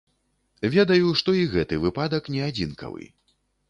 Ведаю, што і гэты выпадак не адзінкавы.